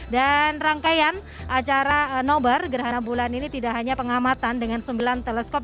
dan rangkaian acara nobar gerhana bulan ini tidak hanya pengamatan dengan sembilan teleskop